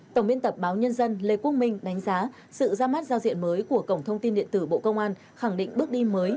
tổng biên tập báo nhân dân lê quốc minh đánh giá sự ra mắt giao diện mới của cổng thông tin điện tử bộ công an khẳng định bước đi mới